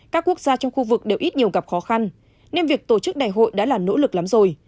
các quốc gia trong khu vực đều ít nhiều gặp khó khăn nên việc tổ chức đại hội đã là nỗ lực lắm rồi